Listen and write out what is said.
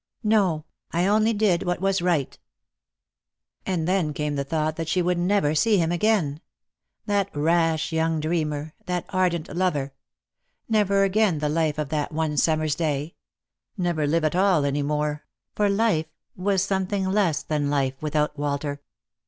No, I only did wha«t was right." And then came the thought that she would never see him again — that rash young dreamer — that ardent lover; never again live the life of that one summer's day ; never live at all any more ; for life was something less than life without Walter.